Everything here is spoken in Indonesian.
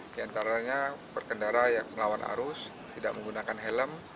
diantaranya perkendara yang melawan arus tidak menggunakan helm